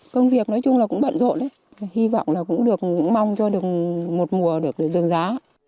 công việc nói chung là cũng bận rộn đấy hy vọng là cũng được mong cho được một mùa được đường giá